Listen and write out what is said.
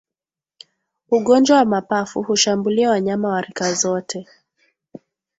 Ugonjwa wa mapafu hushambulia wanyama wa rika zote